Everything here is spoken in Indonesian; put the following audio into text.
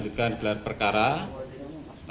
dengan nilai proyek rp enam belas miliar